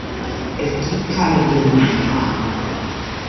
Es gibt keine dummen Fragen.